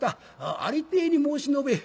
ありていに申し述べい」。